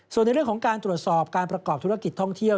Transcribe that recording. ส่วนในเรื่องของการตรวจสอบการประกอบธุรกิจท่องเที่ยว